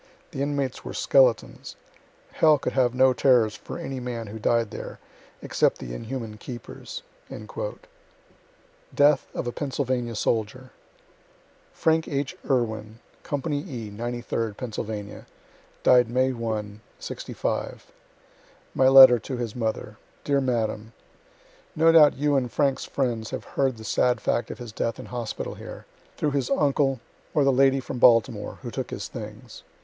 The inmates were skeletons. Hell could have no terrors for any man who died there, except the inhuman keepers.'" DEATH OF A PENNSYLVANIA SOLDIER Frank H. Irwin, company E, 93rd Pennsylvania died May 1, '65 My letter to his mother Dear madam: No doubt you and Frank's friends have heard the sad fact of his death in hospital here, through his uncle, or the lady from Baltimore, who took his things.